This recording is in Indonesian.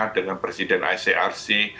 dengan presiden icrc